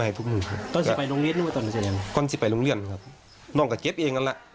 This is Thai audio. เออมันเริ่มเกินไปหรือเปล่า